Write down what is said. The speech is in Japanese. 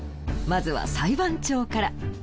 まずは裁判長から。